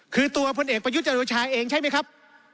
คือตัวพลเอกประวิทย์จรวจชายเองใช่มั้ยครับ